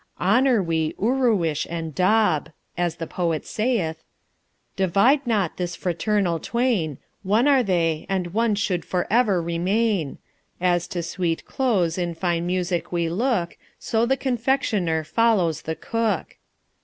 Honour we Uruish and Do b! as the poet sayeth: Divide not this fraternal twain; One are they, and one should for ever remain: As to sweet close in fine music we look, So the Confectioner follows the Cook.